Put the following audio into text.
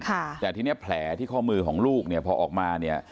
แต่ที่นี่แผลที่ข้อมือของลูกพอออกมา